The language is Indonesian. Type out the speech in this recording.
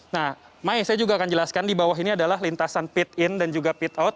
nah mai saya juga akan jelaskan di bawah ini adalah lintasan pit in dan juga pit out